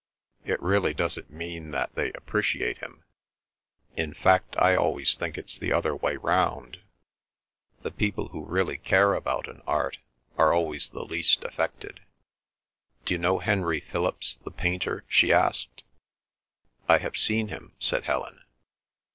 "It really doesn't mean that they appreciate him; in fact, I always think it's the other way round. The people who really care about an art are always the least affected. D'you know Henry Philips, the painter?" she asked. "I have seen him," said Helen.